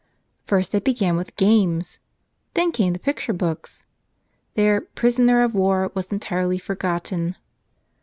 First they began with games; then came the picture books. Their "prisoner of war" was entirely forgotten.